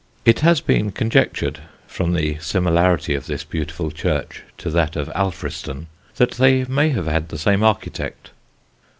It has been conjectured from the similarity of this beautiful church to that of Alfriston that they may have had the same architect.